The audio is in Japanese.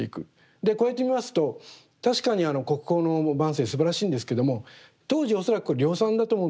でこうやってみますと確かに国宝の「万声」すばらしいんですけども当時恐らくこれ量産だと思うんですね。